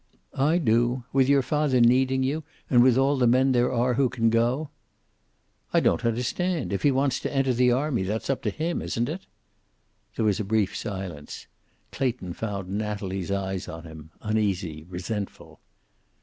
"I do. With your father needing you, and with all the men there are who can go." "I don't understand. If he wants to enter the army, that's up to him, isn't it?" There was a brief silence. Clayton found Natalie's eyes on him, uneasy, resentful.